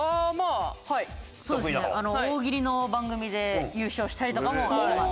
大喜利の番組で優勝したりとかもあります。